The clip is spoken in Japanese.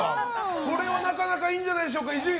これはなかなかいいんじゃないでしょうか。